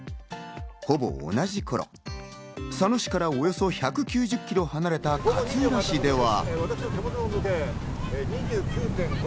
ほぼ同じ頃、佐野市からおよそ１９０キロ離れた勝浦市では。